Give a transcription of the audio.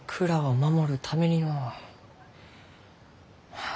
はあ。